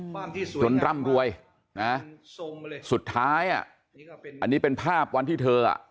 จนร่ำรวยนะสุดท้ายอ่ะอันนี้เป็นภาพวันที่เธออ่ะ